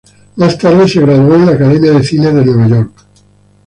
Más tarde su graduó en la Academia de Cine de Nueva York.